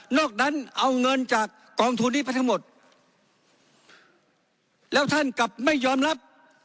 อกนั้นเอาเงินจากกองทุนนี้ไปทั้งหมดแล้วท่านกลับไม่ยอมรับ